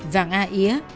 vàng a yế